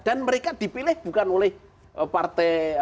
dan mereka dipilih bukan oleh partai